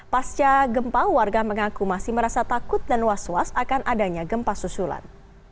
pasca gempa warga mengaku masih merasa takut dan was was akan adanya gempa susulan